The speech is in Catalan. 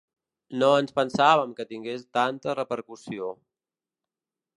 No ens pensàvem que tingués tanta repercussió.